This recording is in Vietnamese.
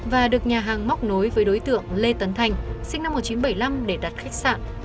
và được nhà hàng móc nối với đối tượng lê tấn thanh sinh năm một nghìn chín trăm bảy mươi năm để đặt khách sạn